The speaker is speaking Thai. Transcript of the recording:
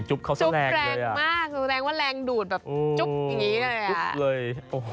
จุ๊บเลย